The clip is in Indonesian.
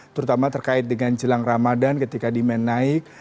terutama terkait dengan jelang ramadan ketika demand naik